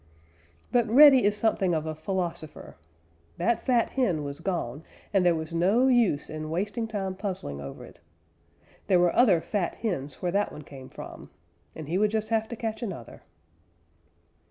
But Reddy is something of a philosopher. That fat hen was gone, and there was no use in wasting time puzzling over it. There were other fat hens where that one came from, and he would just have to catch another.